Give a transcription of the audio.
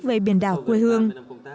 về biển đảo quê hương